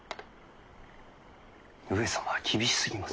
上様は厳しすぎます。